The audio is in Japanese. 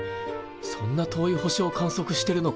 そんな遠い星を観測してるのか。